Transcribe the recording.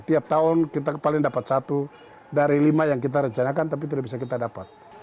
tiap tahun kita paling dapat satu dari lima yang kita rencanakan tapi tidak bisa kita dapat